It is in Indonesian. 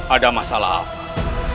ada masalah apa